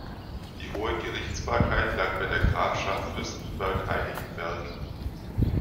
Die hohe Gerichtsbarkeit lag bei der Grafschaft Fürstenberg-Heiligenberg.